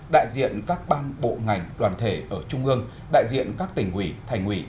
đại diện các ban bộ ngành đoàn thể ở trung ương đại diện các tỉnh ủy thành ủy